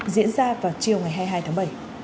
diễn ra vào chiều ngày hai mươi hai tháng bảy